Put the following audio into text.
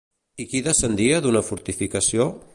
I qui descendia d'una fortificació?